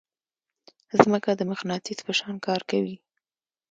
ځمکه د مقناطیس په شان کار کوي.